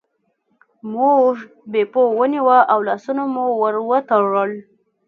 موږ بیپو ونیوه او لاسونه مو ور وتړل.